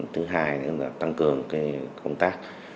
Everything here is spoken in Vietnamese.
thứ hai là tăng cường công tác